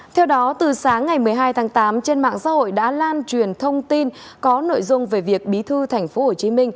theo đó từ sáng ngày một mươi hai tháng tám trên mạng xã hội đã lan truyền thông tin có nội dung về việc bí thư tp hcm